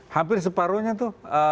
hampir separuhnya tuh